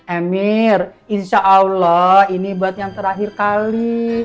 emir insyaallah ini buat yang terakhir kali